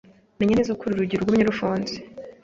Menya neza ko uru rugi rugumye rufunze.